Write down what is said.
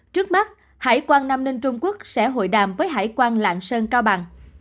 trước mắt hải quan nam ninh trung quốc sẽ hội đàm với hải quan lạng sơn cao bằng